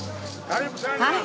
はい。